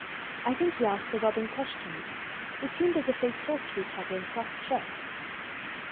I think he asked the robin questions. It seemed as if they talked to each other in soft chirps."